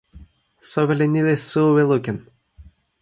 soweli ni li suwi lukin.